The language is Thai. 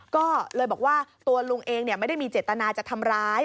ก็เลยบอกว่าตัวลุงเองไม่ได้มีเจตนาจะทำร้าย